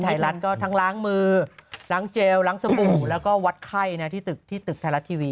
ไทยรัฐก็ทั้งล้างมือล้างเจลล้างสบู่แล้วก็วัดไข้ที่ตึกที่ตึกไทยรัฐทีวี